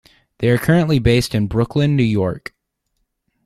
They are currently based in Brooklyn, New York.